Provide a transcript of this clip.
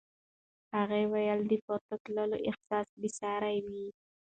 هغې وویل د پورته تللو احساس بې ساری و.